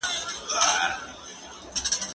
زه اجازه لرم چي موبایل کار کړم؟